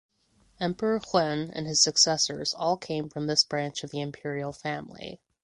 Emperor Huan and his successors all came from this branch of the imperial family.